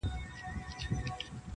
د پاچا په زړه کي ځای یې وو نیولی!!